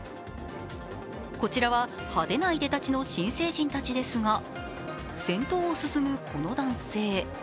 こちらは派手ないでたちの新成人たちですが先頭を進むこの男性。